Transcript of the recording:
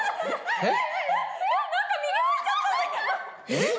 えっ！？